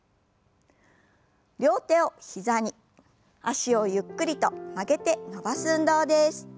両手を膝に脚をゆっくりと曲げて伸ばす運動です。